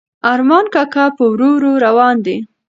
ارمان کاکا په ورو ورو روان دی.